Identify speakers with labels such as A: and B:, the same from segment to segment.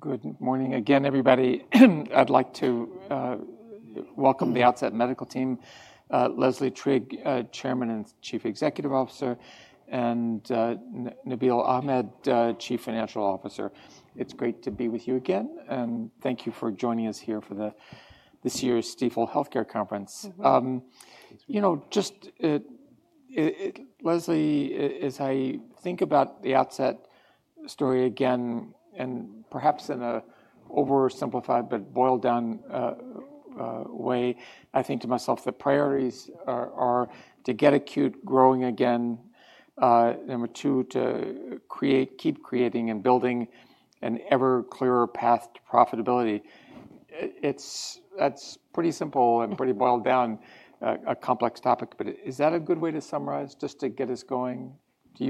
A: Good morning again, everybody. I'd like to welcome the Outset Medical Team, Leslie Trigg, Chairman and Chief Executive Officer, and Nabeel Ahmed, Chief Financial Officer. It's great to be with you again, and thank you for joining us here for this year's Stifel Healthcare Conference. You know, just Leslie, as I think about the Outset story again, and perhaps in an oversimplified but boiled down way, I think to myself that priorities are to get acute growing again. Number two, to create, keep creating and building an ever clearer path to profitability. It's pretty simple and pretty boiled down, a complex topic, but is that a good way to summarize just to get us going? Do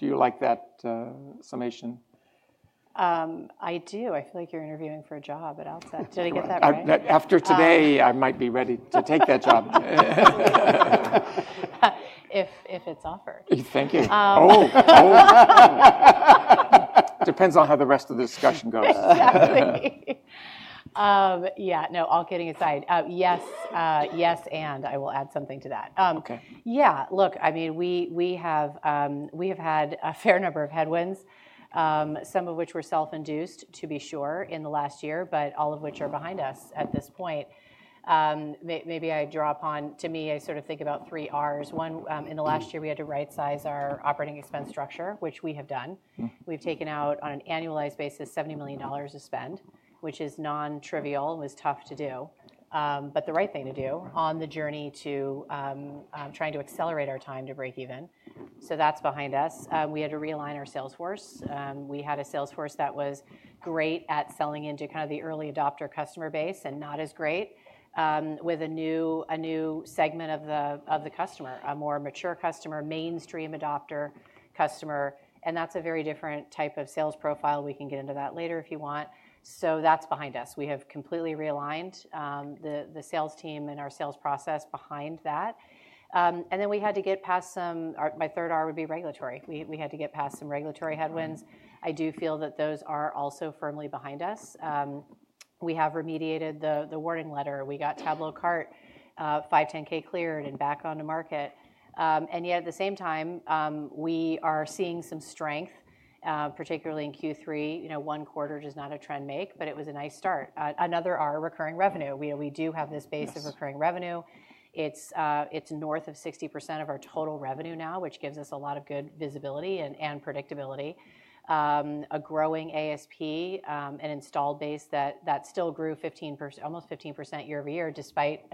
A: you like that summation?
B: I do. I feel like you're interviewing for a job at Outset. Did I get that right? After today, I might be ready to take that job. If it's offered. Thank you. Oh, oh. Depends on how the rest of the discussion goes. Yeah, no, all kidding aside. Yes, yes, and I will add something to that. Okay. Yeah, look, I mean, we have had a fair number of headwinds, some of which were self-induced, to be sure, in the last year, but all of which are behind us at this point. Maybe I draw upon, to me, I sort of think about three Rs. One, in the last year we had to right-size our operating expense structure, which we have done. We've taken out on an annualized basis $70 million of spend, which is non-trivial and was tough to do, but the right thing to do on the journey to trying to accelerate our time to break even. So that's behind us. We had to realign our sales force. We had a sales force that was great at selling into kind of the early adopter customer base and not as great with a new segment of the customer, a more mature customer, mainstream adopter customer. And that's a very different type of sales profile. We can get into that later if you want. So that's behind us. We have completely realigned the sales team and our sales process behind that. And then we had to get past some, my third R would be regulatory. We had to get past some regulatory headwinds. I do feel that those are also firmly behind us. We have remediated the warning letter. We got TabloCart 510(k) cleared and back on the market. And yet at the same time, we are seeing some strength, particularly in Q3. You know, Q1 does not a trend make, but it was a nice start. Another R, recurring revenue. We do have this base of recurring revenue. It's north of 60% of our total revenue now, which gives us a lot of good visibility and predictability. A growing ASP, an installed base that still grew almost 15% year over year, despite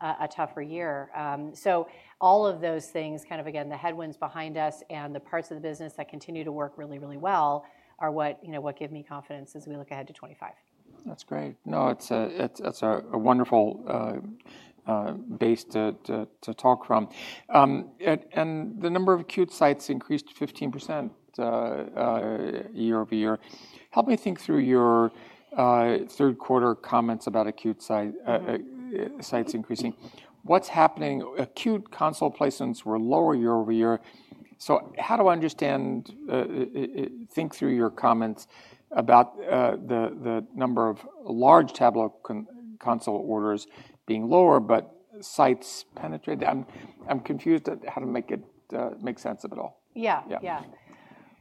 B: a tougher year. So all of those things, kind of again, the headwinds behind us and the parts of the business that continue to work really, really well are what give me confidence as we look ahead to 2025. That's great. No, it's a wonderful base to talk from. And the number of acute sites increased 15% year over year. Help me think through your Q3 comments about acute sites increasing. What's happening? Acute console placements were lower year over year. So how do I understand, think through your comments about the number of large Tablo console orders being lower, but sites penetrated? I'm confused at how to make sense of it all. Yeah, yeah.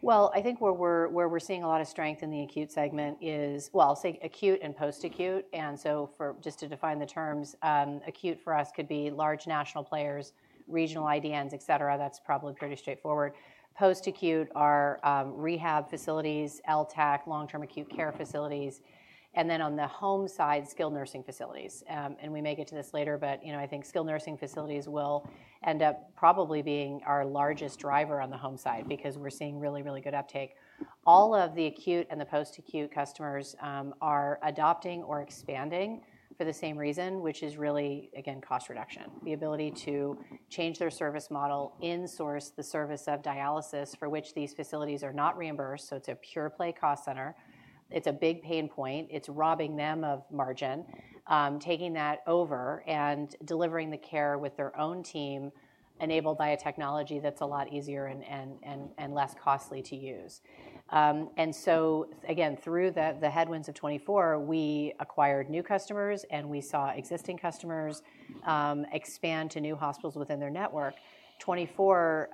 B: Well, I think where we're seeing a lot of strength in the acute segment is, well, I'll say acute and post-acute. And so just to define the terms, acute for us could be large national players, regional IDNs, et cetera. That's probably pretty straightforward. Post-acute are rehab facilities, LTAC, long-term acute care facilities. And then on the home side, skilled nursing facilities. And we may get to this later, but you know, I think skilled nursing facilities will end up probably being our largest driver on the home side because we're seeing really, really good uptake. All of the acute and the post-acute customers are adopting or expanding for the same reason, which is really, again, cost reduction. The ability to change their service model, in-source the service of dialysis for which these facilities are not reimbursed. So it's a pure play cost center. It's a big pain point. It's robbing them of margin, taking that over and delivering the care with their own team enabled by a technology that's a lot easier and less costly to use. And so again, through the headwinds of 2024, we acquired new customers and we saw existing customers expand to new hospitals within their network. 2024,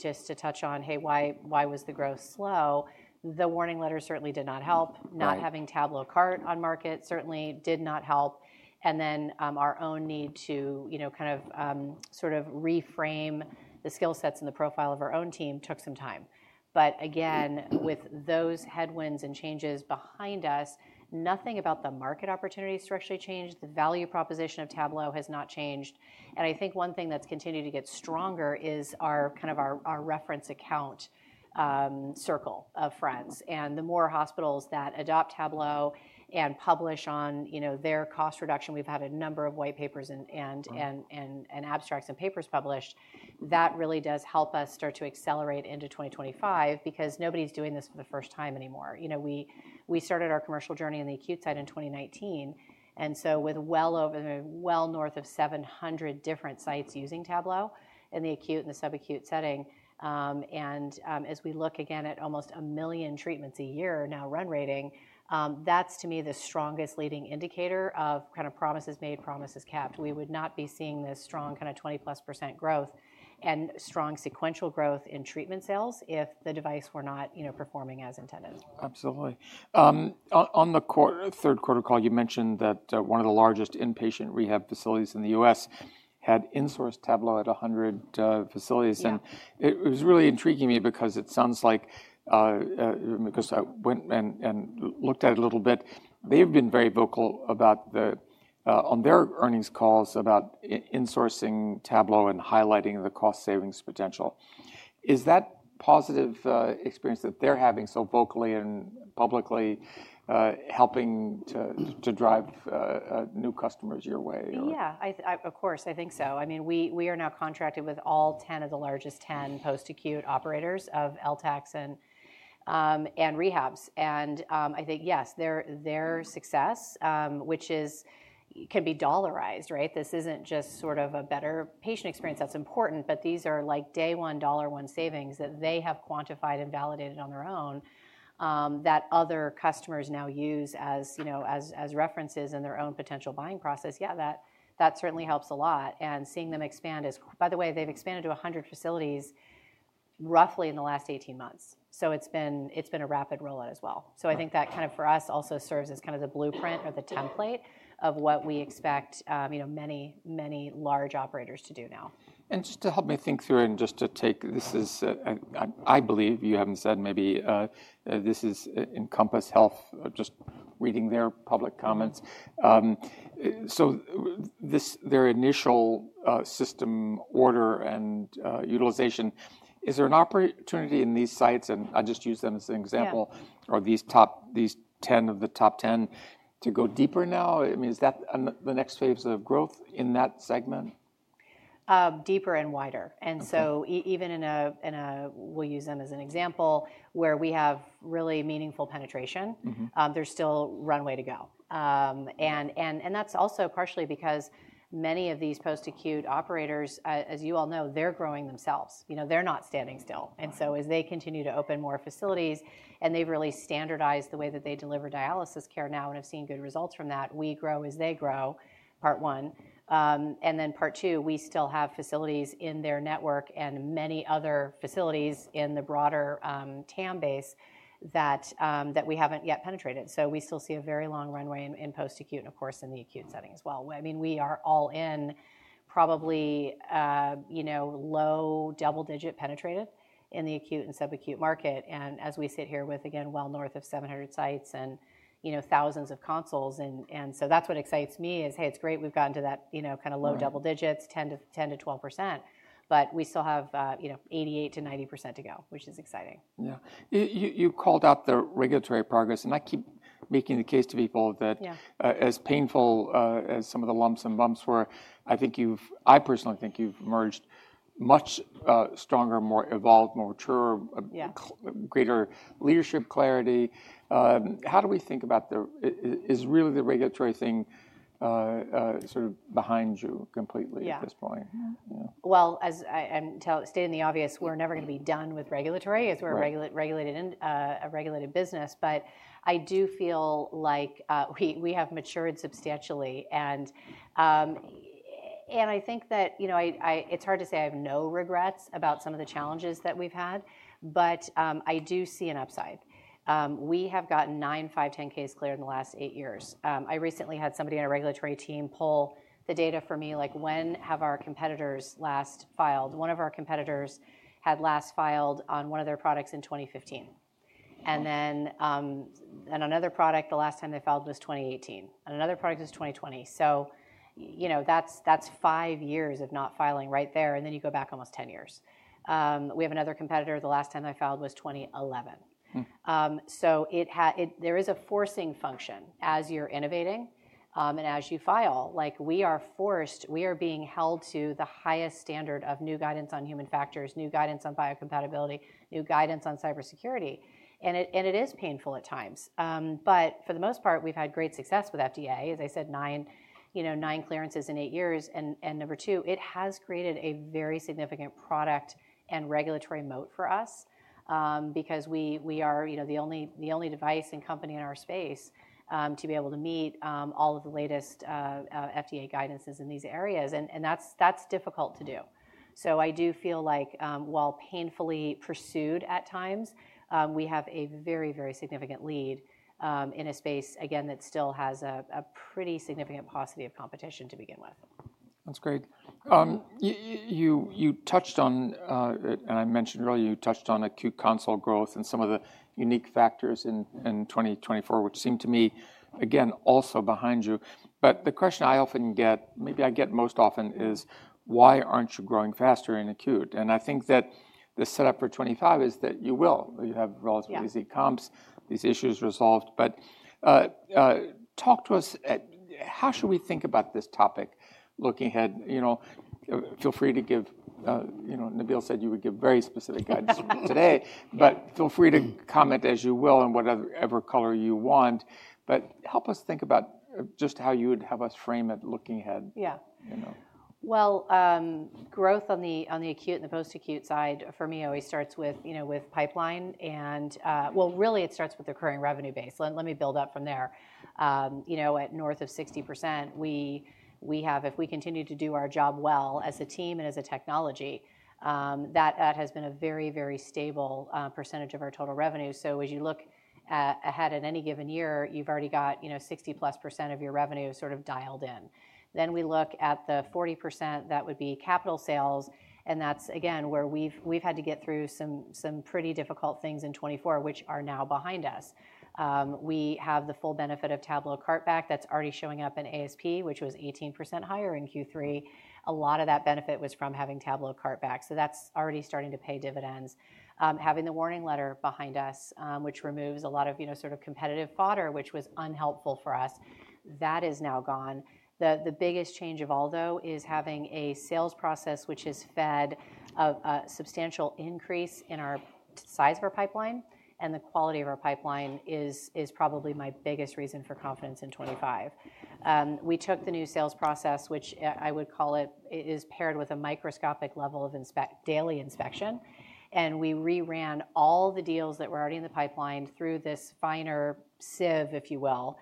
B: just to touch on, hey, why was the growth slow? The warning letter certainly did not help. Not having TabloCart on market certainly did not help. And then our own need to kind of sort of reframe the skill sets and the profile of our own team took some time. But again, with those headwinds and changes behind us, nothing about the market opportunities to actually change. The value proposition of Tablo has not changed. I think one thing that's continued to get stronger is our kind of reference account circle of friends. The more hospitals that adopt Tablo and publish on their cost reduction, we've had a number of white papers and abstracts and papers published. That really does help us start to accelerate into 2025 because nobody's doing this for the first time anymore. You know, we started our commercial journey in the acute side in 2019. So with well over, well north of 700 different sites using Tablo in the acute and the subacute setting. As we look again at almost a million treatments a year now run rate, that's to me the strongest leading indicator of kind of promises made, promises kept. We would not be seeing this strong kind of 20-plus% growth and strong sequential growth in treatment sales if the device were not performing as intended. Absolutely. On the Q3 call, you mentioned that one of the largest inpatient rehab facilities in the U.S. had in-source Tablo at 100 facilities. And it was really intriguing to me because it sounds like, because I went and looked at it a little bit, they've been very vocal about the, on their earnings calls about in-sourcing Tablo and highlighting the cost savings potential. Is that positive experience that they're having so vocally and publicly helping to drive new customers your way? Yeah, of course. I think so. I mean, we are now contracted with all 10 of the largest 10 post-acute operators of LTACs and rehabs. And I think, yes, their success, which can be dollarized, right? This isn't just sort of a better patient experience. That's important, but these are like day one, dollar one savings that they have quantified and validated on their own that other customers now use as references in their own potential buying process. Yeah, that certainly helps a lot. And seeing them expand is, by the way, they've expanded to 100 facilities roughly in the last 18 months. So it's been a rapid rollout as well. So I think that kind of for us also serves as kind of the blueprint or the template of what we expect many, many large operators to do now. Just to help me think through it and just to take, this is, I believe you haven't said maybe this is Encompass Health, just reading their public comments. So their initial system order and utilization, is there an opportunity in these sites, and I'll just use them as an example, or these top, these 10 of the top 10 to go deeper now? I mean, is that the next phase of growth in that segment? Deeper and wider. And so even in a, we'll use them as an example where we have really meaningful penetration. There's still runway to go. And that's also partially because many of these post-acute operators, as you all know, they're growing themselves. You know, they're not standing still. And so as they continue to open more facilities and they've really standardized the way that they deliver dialysis care now and have seen good results from that, we grow as they grow, part one. And then part two, we still have facilities in their network and many other facilities in the broader TAM base that we haven't yet penetrated. So we still see a very long runway in post-acute and of course in the acute setting as well. I mean, we are all in probably low double digit penetrated in the acute and subacute market. As we sit here with, again, well north of 700 sites and thousands of consoles. That's what excites me is, hey, it's great we've gotten to that kind of low double digits, 10%-12%, but we still have 88%-90% to go, which is exciting. Yeah. You called out the regulatory progress and I keep making the case to people that as painful as some of the lumps and bumps were, I think you've, I personally think you've emerged much stronger, more evolved, more mature, greater leadership clarity. How do we think about the, is really the regulatory thing sort of behind you completely at this point? Yeah. Well, as I'm stating the obvious, we're never going to be done with regulatory as we're a regulated business, but I do feel like we have matured substantially, and I think that, you know, it's hard to say I have no regrets about some of the challenges that we've had, but I do see an upside. We have gotten nine 510(k)s cleared in the last eight years. I recently had somebody on our regulatory team pull the data for me, like when have our competitors last filed? One of our competitors had last filed on one of their products in 2015, and then on another product, the last time they filed was 2018, and another product was 2020, so you know, that's five years of not filing right there, and then you go back almost 10 years. We have another competitor. The last time they filed was 2011. So there is a forcing function as you're innovating and as you file. Like we are forced, we are being held to the highest standard of new guidance on human factors, new guidance on biocompatibility, new guidance on cybersecurity. And it is painful at times. But for the most part, we've had great success with FDA. As I said, nine clearances in eight years. And number two, it has created a very significant product and regulatory moat for us because we are the only device and company in our space to be able to meet all of the latest FDA guidances in these areas. And that's difficult to do. So I do feel like while painfully pursued at times, we have a very, very significant lead in a space, again, that still has a pretty significant paucity of competition to begin with. That's great. You touched on, and I mentioned earlier, you touched on acute console growth and some of the unique factors in 2024, which seemed to me, again, also behind you. But the question I often get, maybe I get most often is, why aren't you growing faster in acute? And I think that the setup for 2025 is that you will. You have relatively easy comps, these issues resolved. But talk to us, how should we think about this topic looking ahead? You know, feel free to give, you know, Nabeel said you would give very specific guidance today, but feel free to comment as you will and whatever color you want. But help us think about just how you would have us frame it looking ahead. Yeah. Well, growth on the acute and the post-acute side for me always starts with pipeline. And well, really it starts with the current revenue base. Let me build up from there. You know, at north of 60%, we have, if we continue to do our job well as a team and as a technology, that has been a very, very stable percentage of our total revenue. So as you look ahead at any given year, you've already got 60% plus of your revenue sort of dialed in. Then we look at the 40% that would be capital sales. And that's again where we've had to get through some pretty difficult things in 2024, which are now behind us. We have the full benefit of TabloCart back that's already showing up in ASP, which was 18% higher in Q3. A lot of that benefit was from having TabloCart back. So that's already starting to pay dividends. Having the Warning Letter behind us, which removes a lot of sort of competitive fodder, which was unhelpful for us, that is now gone. The biggest change of all though is having a sales process, which has fed a substantial increase in our size of our pipeline and the quality of our pipeline is probably my biggest reason for confidence in 2025. We took the new sales process, which I would call it, is paired with a microscopic level of daily inspection. And we re-ran all the deals that were already in the pipeline through this finer sieve, if you will.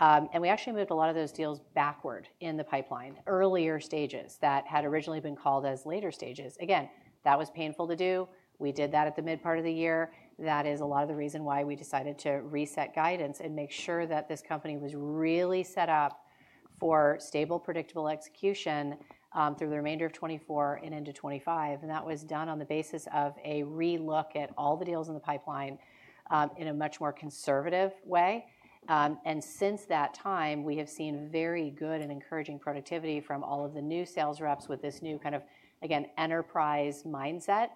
B: And we actually moved a lot of those deals backward in the pipeline. Earlier stages that had originally been called as later stages. Again, that was painful to do. We did that at the mid part of the year. That is a lot of the reason why we decided to reset guidance and make sure that this company was really set up for stable, predictable execution through the remainder of 2024 and into 2025. And that was done on the basis of a re-look at all the deals in the pipeline in a much more conservative way. And since that time, we have seen very good and encouraging productivity from all of the new sales reps with this new kind of, again, enterprise mindset,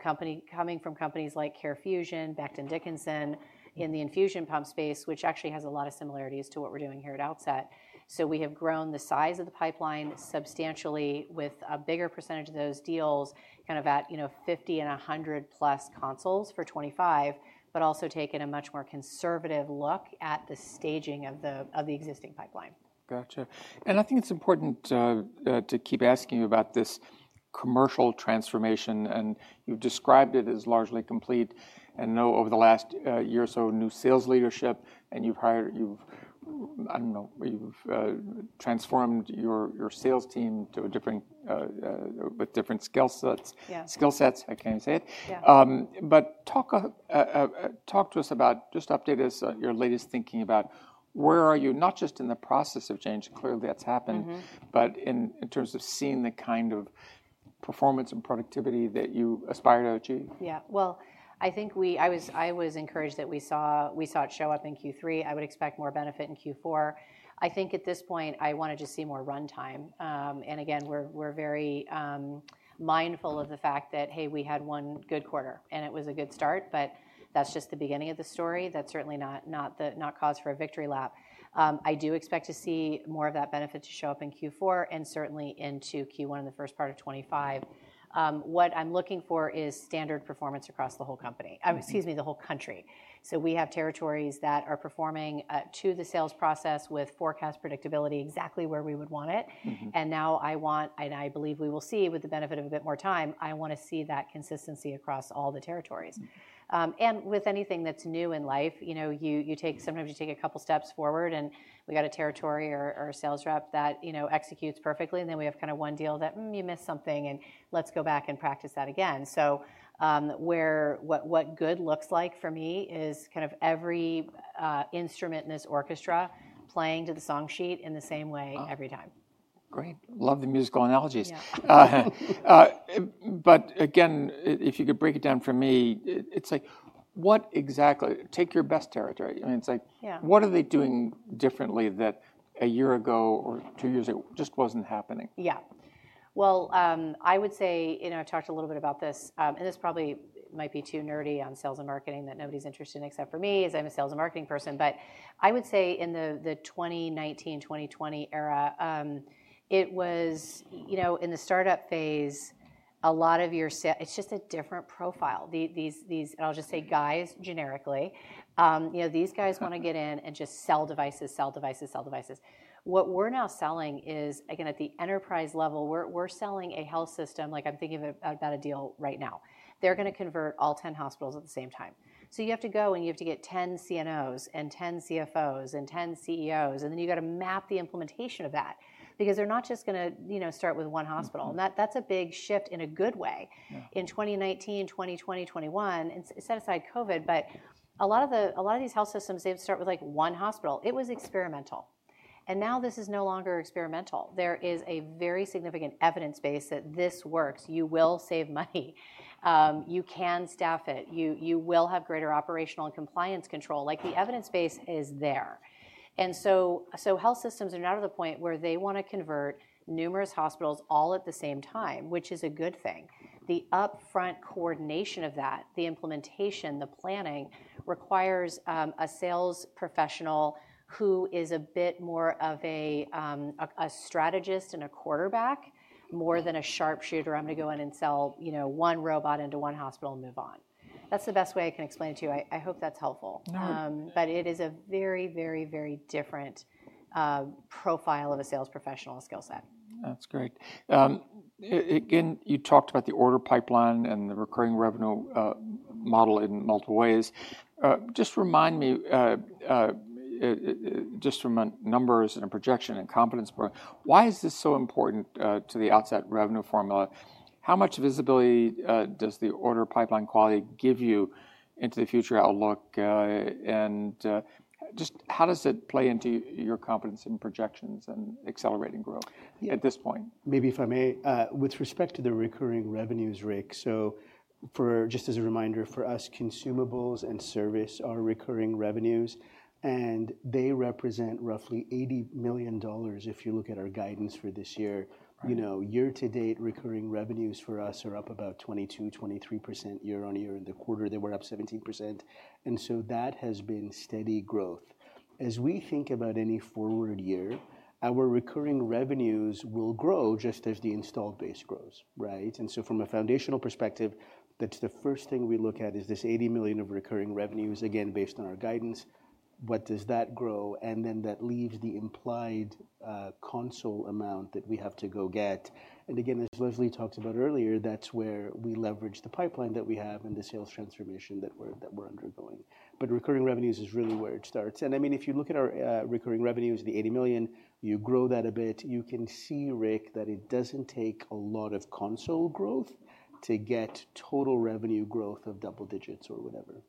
B: coming from companies like CareFusion, Becton Dickinson in the infusion pump space, which actually has a lot of similarities to what we're doing here at Outset. So we have grown the size of the pipeline substantially with a bigger percentage of those deals kind of at 50 and 100 plus consoles for 2025, but also taken a much more conservative look at the staging of the existing pipeline. Gotcha. And I think it's important to keep asking you about this commercial transformation. And you've described it as largely complete, and now, over the last year or so, new sales leadership. And you've hired, I don't know, you've transformed your sales team to a different with different skill sets. Skill sets, I can't say it. But talk to us about, just update us your latest thinking about where are you, not just in the process of change, clearly that's happened, but in terms of seeing the kind of performance and productivity that you aspire to achieve. Yeah. Well, I think I was encouraged that we saw it show up in Q3. I would expect more benefit in Q4. I think at this point, I want to just see more run time. And again, we're very mindful of the fact that, hey, we had one good quarter and it was a good start, but that's just the beginning of the story. That's certainly not cause for a victory lap. I do expect to see more of that benefit to show up in Q4 and certainly into Q1 in the first part of 2025. What I'm looking for is standard performance across the whole company. Excuse me, the whole country. So we have territories that are performing to the sales process with forecast predictability exactly where we would want it. And now I want, and I believe we will see with the benefit of a bit more time, I want to see that consistency across all the territories. And with anything that's new in life, you know, sometimes you take a couple steps forward and we got a territory or a sales rep that executes perfectly. And then we have kind of one deal that you miss something and let's go back and practice that again. So what good looks like for me is kind of every instrument in this orchestra playing to the song sheet in the same way every time. Great. Love the musical analogies, but again, if you could break it down for me, it's like what exactly, take your best territory. I mean, it's like what are they doing differently that a year ago or two years ago just wasn't happening? Yeah. Well, I would say, you know, I talked a little bit about this, and this probably might be too nerdy on sales and marketing that nobody's interested in except for me as I'm a sales and marketing person, but I would say in the 2019, 2020 era, it was, you know, in the startup phase, a lot of your sales. It's just a different profile. These, and I'll just say guys generically, you know, these guys want to get in and just sell devices, sell devices, sell devices. What we're now selling is, again, at the enterprise level, we're selling a health system. Like I'm thinking about a deal right now. They're going to convert all 10 hospitals at the same time. So you have to go and you have to get 10 CNOs and 10 CFOs and 10 CEOs. And then you got to map the implementation of that because they're not just going to start with one hospital. And that's a big shift in a good way. In 2019, 2020, 2021, and set aside COVID, but a lot of these health systems, they'd start with like one hospital. It was experimental. And now this is no longer experimental. There is a very significant evidence base that this works. You will save money. You can staff it. You will have greater operational and compliance control. Like the evidence base is there. And so health systems are now to the point where they want to convert numerous hospitals all at the same time, which is a good thing. The upfront coordination of that, the implementation, the planning requires a sales professional who is a bit more of a strategist and a quarterback more than a sharpshooter. I'm going to go in and sell, you know, one robot into one hospital and move on. That's the best way I can explain it to you. I hope that's helpful. But it is a very, very, very different profile of a sales professional skill set. That's great. Again, you talked about the order pipeline and the recurring revenue model in multiple ways. Just remind me just from a numbers and a projection and confidence, why is this so important to the Outset revenue formula? How much visibility does the order pipeline quality give you into the future outlook? And just how does it play into your confidence and projections and accelerating growth at this point?
C: Maybe if I may, with respect to the recurring revenues, Rick, so just as a reminder for us, consumables and service are recurring revenues and they represent roughly $80 million if you look at our guidance for this year. You know, year to date, recurring revenues for us are up about 22-23% year on year. In the quarter, they were up 17%. And so that has been steady growth. As we think about any forward year, our recurring revenues will grow just as the installed base grows, right? And so from a foundational perspective, that's the first thing we look at is this $80 million of recurring revenues, again, based on our guidance, what does that grow? And then that leaves the implied console amount that we have to go get. Again, as Leslie talked about earlier, that's where we leverage the pipeline that we have and the sales transformation that we're undergoing. Recurring revenues is really where it starts. I mean, if you look at our recurring revenues, the $80 million, you grow that a bit, you can see, Rick, that it doesn't take a lot of console growth to get total revenue growth of double digits or whatever.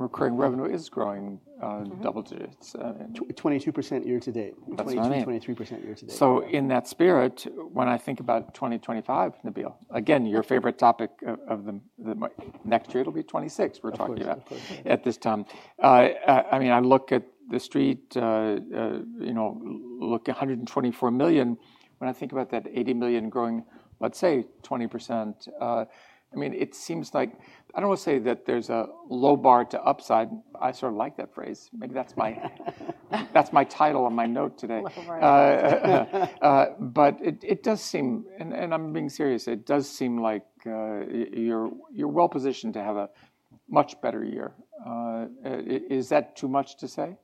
C: Recurring revenue is growing double digits. 22% year to date. 22%-23% year to date. So in that spirit, when I think about 2025, Nabeel, again, your favorite topic of the next year, it'll be 2026 we're talking about at this time. I mean, I look at the Street, you know, look at $124 million. When I think about that $80 million growing, let's say 20%, I mean, it seems like, I don't want to say that there's a low bar to upside. I sort of like that phrase. Maybe that's my title on my note today. But it does seem, and I'm being serious, it does seem like you're well positioned to have a much better year. Is that too much to say?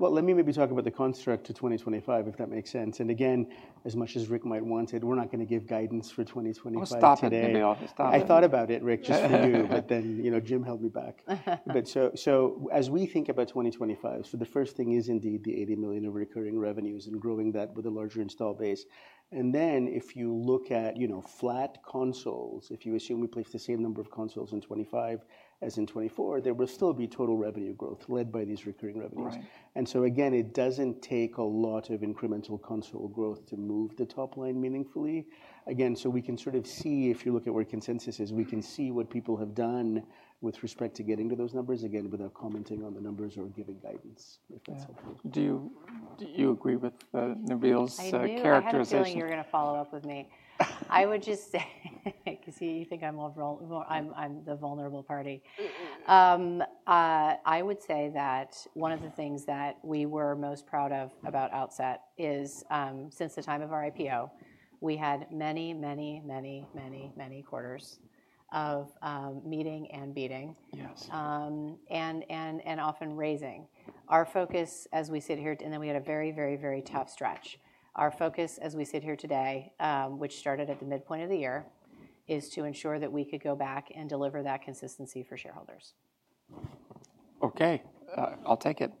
C: Let me maybe talk about the construct to 2025, if that makes sense. Again, as much as Rick might want it, we're not going to give guidance for 2025 today. Stop it, Nabeel. Stop it. I thought about it, Rick, just for you, but then, you know, Jim held me back. But so as we think about 2025, so the first thing is indeed the $80 million of recurring revenues and growing that with a larger install base. And then if you look at, you know, flat consoles, if you assume we place the same number of consoles in 2025 as in 2024, there will still be total revenue growth led by these recurring revenues. And so again, it doesn't take a lot of incremental console growth to move the top line meaningfully. Again, so we can sort of see if you look at where consensus is, we can see what people have done with respect to getting to those numbers, again, without commenting on the numbers or giving guidance, if that's helpful. Do you agree with Nabeel's characterization?
B: I think you're going to follow up with me. I would just say, because you think I'm the vulnerable party. I would say that one of the things that we were most proud of about Outset is since the time of our IPO, we had many, many, many, many, many quarters of meeting and beating, and often raising. Our focus as we sit here, and then we had a very, very, very tough stretch. Our focus as we sit here today, which started at the midpoint of the year, is to ensure that we could go back and deliver that consistency for shareholders. Okay. I'll take it.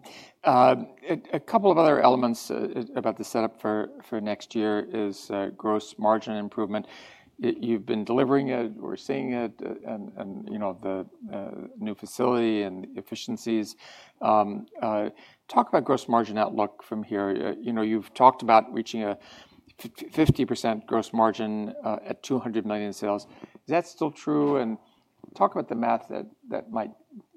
B: A couple of other elements about the setup for next year is gross margin improvement. You've been delivering it, we're seeing it, and you know, the new facility and efficiencies. Talk about gross margin outlook from here. You know, you've talked about reaching a 50% gross margin at $200 million sales. Is that still true? And talk about the math that might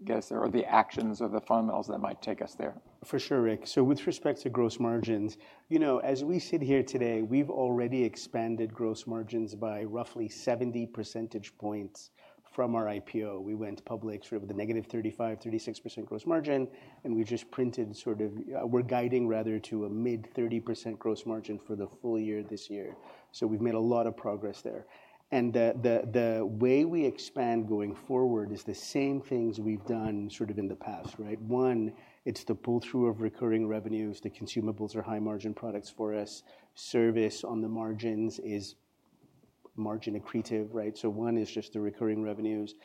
B: get us there or the actions or the fundamentals that might take us there.
C: For sure, Rick. So with respect to gross margins, you know, as we sit here today, we've already expanded gross margins by roughly 70 percentage points from our IPO. We went public sort of with a negative 35%-36% gross margin, and we just printed sort of, we're guiding rather to a mid-30% gross margin for the full year this year. So we've made a lot of progress there. And the way we expand going forward is the same things we've done sort of in the past, right? One, it's the pull through of recurring revenues. The consumables are high margin products for us. Service on the margins is margin accretive, right? So one is just the recurring revenues.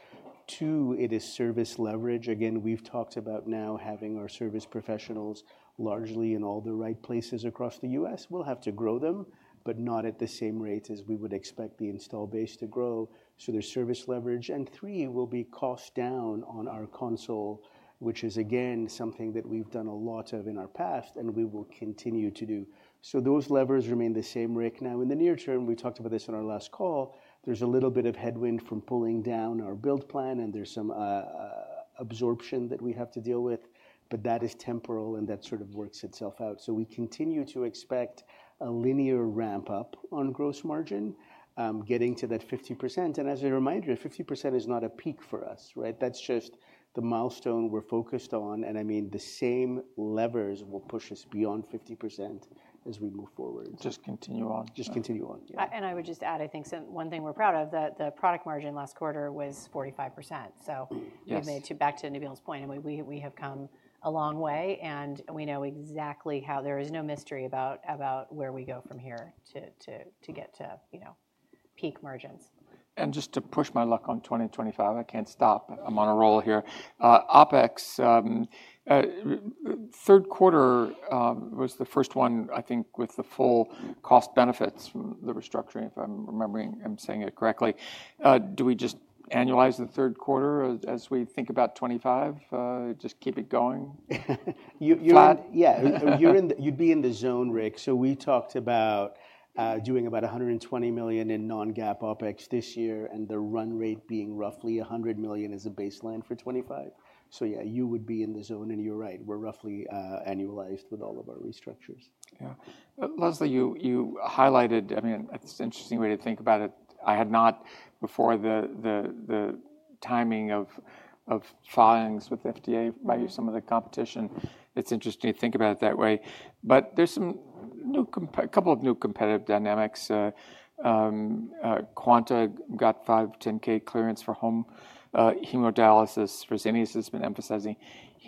C: Two, it is service leverage. Again, we've talked about now having our service professionals largely in all the right places across the U.S. We'll have to grow them, but not at the same rate as we would expect the install base to grow. So there's service leverage. And three, we'll be cost down on our console, which is again something that we've done a lot of in our past and we will continue to do. So those levers remain the same, Rick. Now in the near term, we talked about this on our last call, there's a little bit of headwind from pulling down our build plan and there's some absorption that we have to deal with, but that is temporal and that sort of works itself out. So we continue to expect a linear ramp up on gross margin, getting to that 50%. And as a reminder, 50% is not a peak for us, right? That's just the milestone we're focused on. And I mean, the same levers will push us beyond 50% as we move forward. Just continue on. Just continue on.
B: I would just add, I think one thing we're proud of, that the product margin last quarter was 45%. So we've made it back to Nabeel's point, I mean, we have come a long way and we know exactly how. There is no mystery about where we go from here to get to, you know, peak margins. And just to push my luck on 2025, I can't stop. I'm on a roll here. OpEx, Q3 was the first one, I think with the full cost benefits, the restructuring, if I'm remembering I'm saying it correctly. Do we just annualize the Q3 as we think about 2025? Just keep it going?
C: You'd be in the zone, Rick. So we talked about doing about $120 million in non-GAAP OpEx this year and the run rate being roughly $100 million as a baseline for 2025. So yeah, you would be in the zone and you're right. We're roughly annualized with all of our restructures. Yeah. Leslie, you highlighted, I mean, it's an interesting way to think about it. I had not before the timing of filings with FDA by some of the competition. It's interesting to think about it that way. But there's a couple of new competitive dynamics. Quanta got 510(k) clearance for home hemodialysis. Fresenius has been emphasizing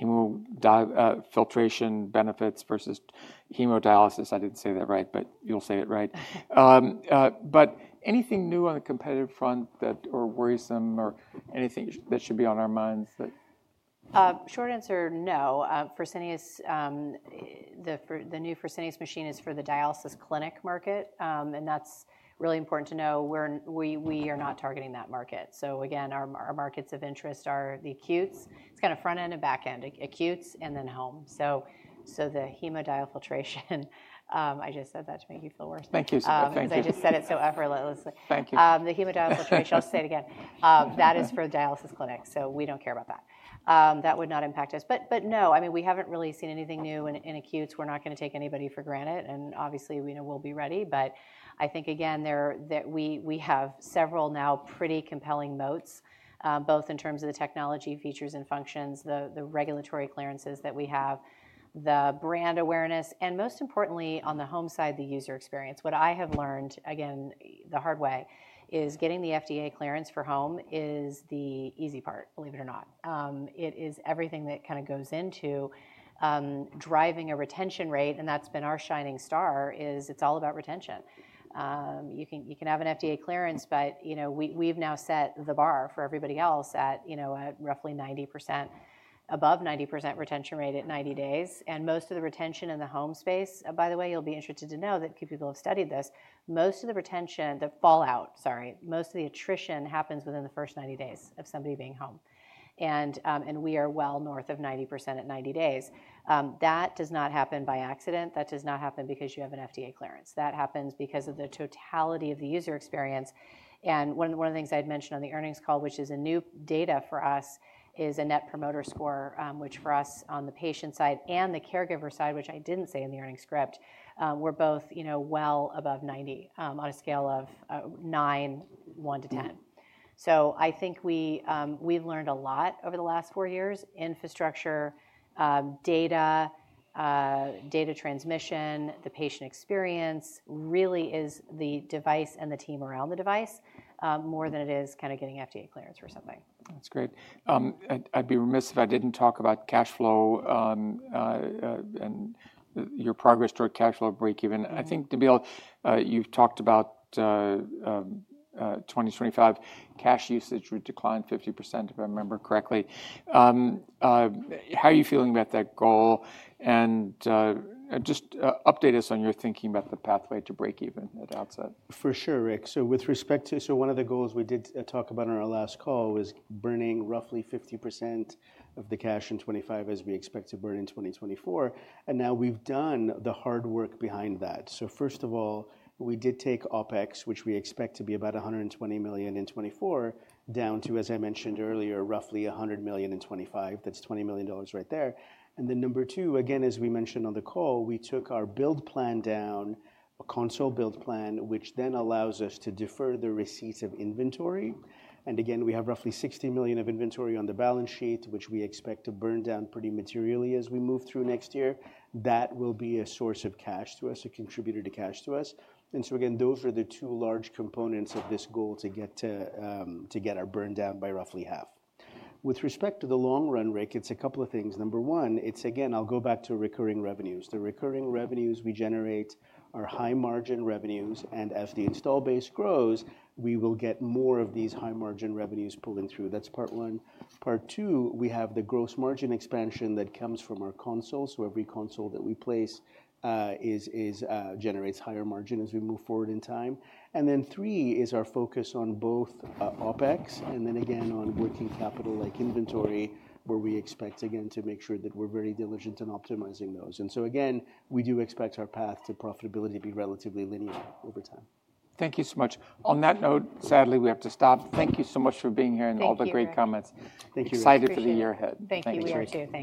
C: hemodiafiltration benefits versus hemodialysis. I didn't say that right, but you'll say it right. But anything new on the competitive front that or worrisome or anything that should be on our minds?
B: Short answer, no. Fresenius, the new Fresenius machine is for the dialysis clinic market. And that's really important to know where we are not targeting that market. So again, our markets of interest are the acutes. It's kind of front end and back end, acutes and then home. So the hemodiafiltration, I just said that to make you feel worse. Thank you. I just said it so effortlessly. Thank you. The hemodialysis filtration, I'll say it again. That is for the dialysis clinic. So we don't care about that. That would not impact us. But no, I mean, we haven't really seen anything new in acutes. We're not going to take anybody for granted. And obviously, we know we'll be ready. But I think again, we have several now pretty compelling moats, both in terms of the technology features and functions, the regulatory clearances that we have, the brand awareness, and most importantly, on the home side, the user experience. What I have learned, again, the hard way, is getting the FDA clearance for home is the easy part, believe it or not. It is everything that kind of goes into driving a retention rate. And that's been our shining star is it's all about retention. You can have an FDA clearance, but you know, we've now set the bar for everybody else at, you know, roughly 90%, above 90% retention rate at 90 days. And most of the retention in the home space, by the way, you'll be interested to know that people have studied this. Most of the retention, the fallout, sorry, most of the attrition happens within the first 90 days of somebody being home. And we are well north of 90% at 90 days. That does not happen by accident. That does not happen because you have an FDA clearance. That happens because of the totality of the user experience. One of the things I'd mentioned on the earnings call, which is new data for us, is a Net Promoter Score, which for us on the patient side and the caregiver side, which I didn't say in the earnings script, we're both, you know, well above 90 on a scale of negative 100 to 100. I think we've learned a lot over the last four years. Infrastructure, data, data transmission, the patient experience really is the device and the team around the device more than it is kind of getting FDA clearance for something. That's great. I'd be remiss if I didn't talk about cash flow and your progress toward cash flow break-even. I think, Nabeel, you've talked about 2025 cash usage would decline 50%, if I remember correctly. How are you feeling about that goal, and just update us on your thinking about the pathway to break-even at Outset.
C: For sure, Rick. So with respect to, so one of the goals we did talk about on our last call was burning roughly 50% of the cash in 2025 as we expect to burn in 2024. And now we've done the hard work behind that. So first of all, we did take OpEx, which we expect to be about $120 million in 2024, down to, as I mentioned earlier, roughly $100 million in 2025. That's $20 million right there. And then number two, again, as we mentioned on the call, we took our build plan down, a console build plan, which then allows us to defer the receipts of inventory. And again, we have roughly $60 million of inventory on the balance sheet, which we expect to burn down pretty materially as we move through next year. That will be a source of cash to us, a contributor to cash to us. And so again, those are the two large components of this goal to get our burn down by roughly half. With respect to the long run, Rick, it's a couple of things. Number one, it's again, I'll go back to recurring revenues. The recurring revenues we generate are high margin revenues. And as the install base grows, we will get more of these high margin revenues pulling through. That's part one. Part two, we have the gross margin expansion that comes from our console. So every console that we place generates higher margin as we move forward in time. And then three is our focus on both OpEx and then again on working capital like inventory, where we expect again to make sure that we're very diligent in optimizing those. Again, we do expect our path to profitability to be relatively linear over time. Thank you so much. On that note, sadly, we have to stop. Thank you so much for being here and all the great comments. Thank you. Excited for the year ahead.
B: Thank you.